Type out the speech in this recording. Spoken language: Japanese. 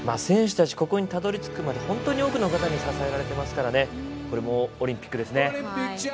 選手たち、ここにたどり着くまで本当に多くの方に支えられていますからね。